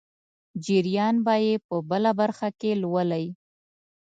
جریان به یې په بله برخه کې ولولئ.